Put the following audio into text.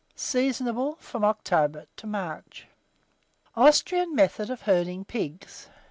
Seasonable from October to March. AUSTRIAN METHOD OF HERDING PIGS.